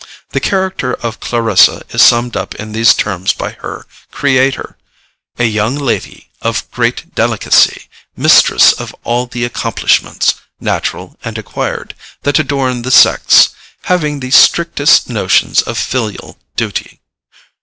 The character of Clarissa is summed up in these terms by her creator: "A young Lady of great Delicacy, Mistress of all the Accomplishments, natural and acquired, that adorn the Sex, having the strictest Notions of filial Duty."